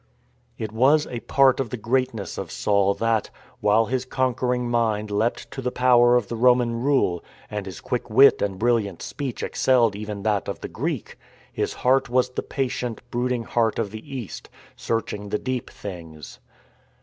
It was a part of the greatness of Saul that, while his conquering mind leapt to the power of the Roman rule, and his quick wit and brilliant speech excelled even that of the Greek, his heart was the patient brood ing heart of the East, searching the deep things.